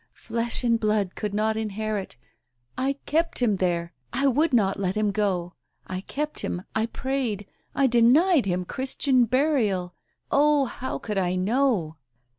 Flesh and blood could not in herit 1 I kept him there — I would not let him go. ... I kept him. ... I prayed. ... I denied him Christian burial. ... Oh, how could I know.